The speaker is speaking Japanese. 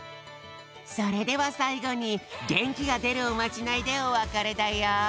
それではさいごにげんきがでるおまじないでおわかれだよ！